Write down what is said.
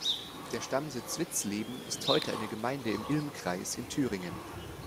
Der Stammsitz Witzleben ist heute eine Gemeinde im Ilm-Kreis in Thüringen.